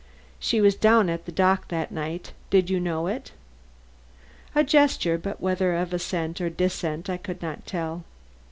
"She was down at the dock that night. Did you know it?" A gesture, but whether of assent or dissent I could not tell.